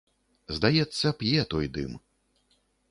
Здаецца, п'е той дым.